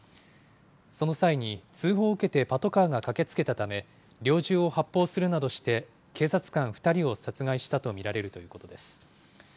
その際に、通報を受けてパトカーが駆けつけたため、猟銃を発砲するなどして警察官２人を殺害したと見られるということです。